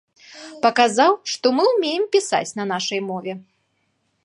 Паказаў, што мы ўмеем пісаць на нашай мове.